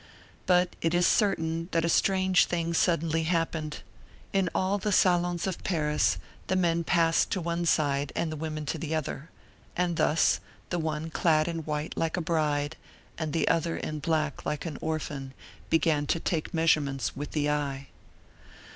But it is certain that a strange thing suddenly happened: in all the salons of Paris the men passed to one side and the women to the other; and thus, the one clad in white like a bride and the other in black like an orphan began to take measurements with the eye.